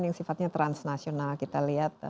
yang sifatnya transnasional kita lihat